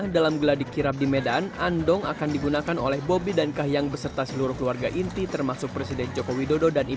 dalam geladi kirap di medan andong akan digunakan oleh bobi dan kahiyang beserta seluruh keluarga inti termasuk presiden joko widodo dan ibu